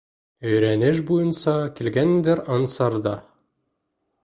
Өйрәнеш буйынса килгәндер Ансар ҙа.